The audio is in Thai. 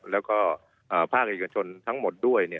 แล้วก็ภาคเอกชนทั้งหมดด้วย